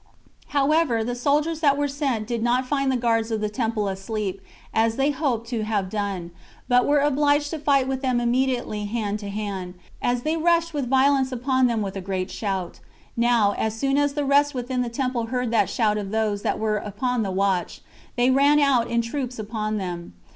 However, the soldiers that were sent did not find the guards of the temple asleep, as they hoped to have done; but were obliged to fight with them immediately hand to hand, as they rushed with violence upon them with a great shout. Now as soon as the rest within the temple heard that shout of those that were upon the watch, they ran out in troops upon them.